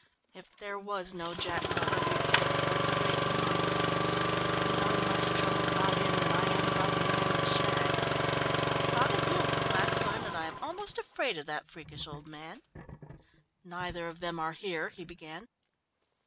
If there was no Jack Glover we could afford to wait months. And I'm less troubled about him than I am about the man Jaggs. Father, you will be glad to learn that I am almost afraid of that freakish old man." "Neither of them are here " he began.